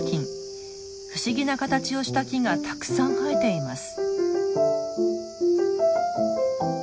不思議な形をした木がたくさん生えています。